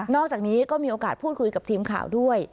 อกจากนี้ก็มีโอกาสพูดคุยกับทีมข่าวด้วย